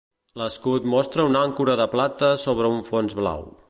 L'escut mostra una àncora de plata sobre un fons blau.